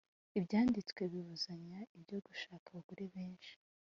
ibyanditswe bibuzanya ibyo gushaka abagore benshi